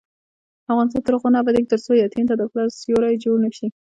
افغانستان تر هغو نه ابادیږي، ترڅو یتیم ته د پلار سیوری جوړ نشي.